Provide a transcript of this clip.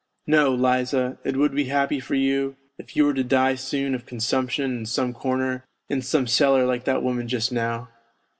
No, Liza, it would be happy for you if you were to die soon of consumption in some corner, in some cellar like that woman just now.